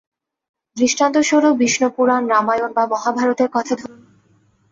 দৃষ্টান্তস্বরূপ বিষ্ণুপুরাণ, রামায়ণ বা মহাভারতের কথা ধরুন।